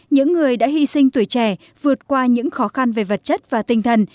những người đã hy sinh tuổi trẻ vượt qua những khó khăn về vật chất và tinh thần